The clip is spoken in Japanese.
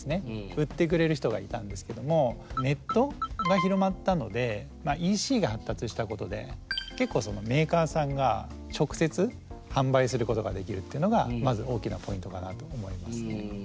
売ってくれる人がいたんですけどもネットが広まったのでＥＣが発達したことで結構そのメーカーさんが直接販売することができるっていうのがまず大きなポイントかなと思いますね。